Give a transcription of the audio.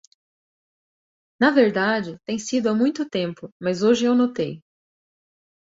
Na verdade, tem sido há muito tempo, mas hoje eu notei.